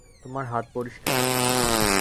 তোমার হাত পরিষ্কার?